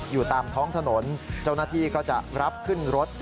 อยู่ตามท้องถนนเจ้าหน้าที่ก็จะรับขึ้นรถ